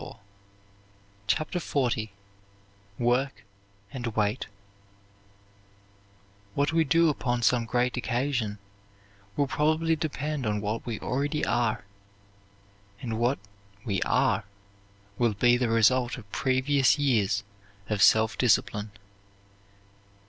_" CHAPTER XL WORK AND WAIT What we do upon some great occasion will probably depend on what we already are; and what we are will be the result of previous years of self discipline.